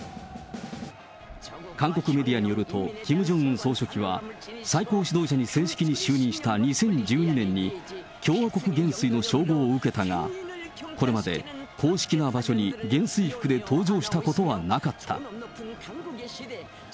韓国メディアによると、キム・ジョンウン総書記は、最高指導者に正式に就任した２０１２年に、共和国元帥の称号を受けたが、これまで公式な場所に元帥服で登場したことはなかった。